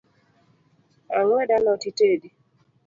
Ang’wed a lot itedi?